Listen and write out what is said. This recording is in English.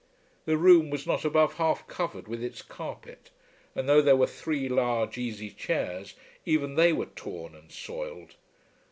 The room was not above half covered with its carpet, and though there were three large easy chairs, even they were torn and soiled.